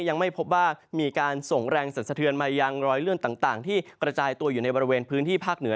ยังไม่พบว่ามีการส่งแรงสันสะเทือนมายังรอยเลื่อนต่างที่กระจายตัวอยู่ในบริเวณพื้นที่ภาคเหนือ